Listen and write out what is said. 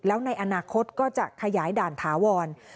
แล้วในอนาคตก็จะขยายด่านถาวร